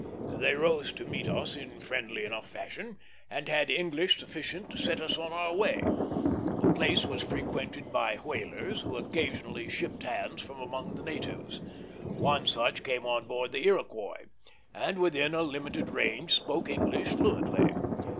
They rose to meet us in friendly enough fashion, and had English sufficient to set us on our way. The place was frequented by whalers, who occasionally shipped hands from among the natives; one such came on board the Iroquois, and within a limited range spoke English fluently.